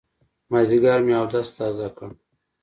مازيګر مې اودس تازه کړ.